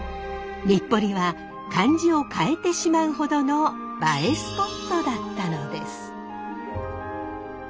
日暮里は漢字を変えてしまうほどの映えスポットだったのです。